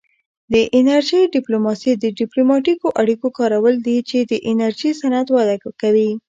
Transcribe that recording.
د انرژۍ ډیپلوماسي د ډیپلوماتیکو اړیکو کارول دي چې د انرژي صنعت وده کوي